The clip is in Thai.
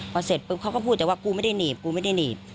พอเสร็จปุ๊บเขาก็พูดแต่ว่ากูไม่ได้หนีบ